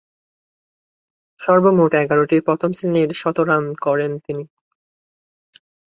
সর্বমোট এগারোটি প্রথম-শ্রেণীর শতরান করেন তিনি।